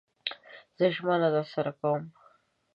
زه ژمنه درسره کوم